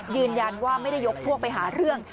ยืนยันว่าไม่ได้ยกพวกไปหาเรื่อง